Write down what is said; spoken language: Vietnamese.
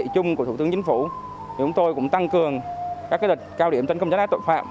chúng tôi cũng tăng cường các lịch cao điểm tấn công chất ác tội phạm